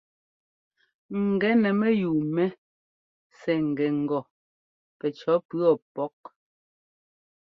Gɛnɛ mɛyúu mɛ sɛ́ ŋ́gɛ ŋgɔ pɛcɔ̌ pʉɔ pɔ́k.